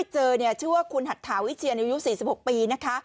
หัดถาวิเชียในยุค๔๖ปีนะคะ